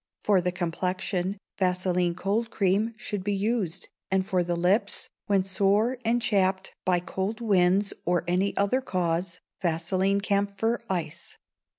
For the complexion, vaseline cold cream should be used, and for the lips, when sore and chapped by cold winds or any other cause, vaseline camphor ice.